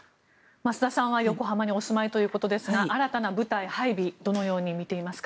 増田さんは横浜にお住まいということですが新たな部隊配備どのように見ていますか？